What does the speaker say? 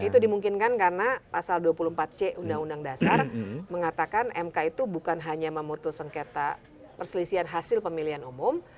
itu dimungkinkan karena pasal dua puluh empat c undang undang dasar mengatakan mk itu bukan hanya memutus sengketa perselisihan hasil pemilihan umum